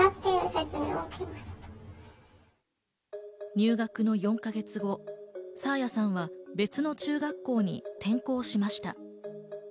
入学の４か月後、爽彩さんは別の中学校に転校しました。